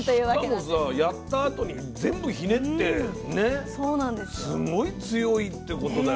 しかもさやったあとに全部ひねってねすごい強いってことだよね